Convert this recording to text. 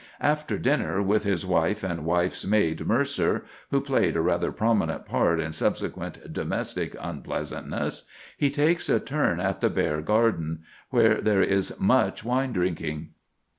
After dinner, with his wife and wife's maid, Mercer (who played a rather prominent part in subsequent domestic unpleasantnesses), he takes a turn at the Bear Garden, where there is much wine drinking.